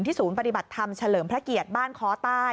ศูนย์ปฏิบัติธรรมเฉลิมพระเกียรติบ้านค้อใต้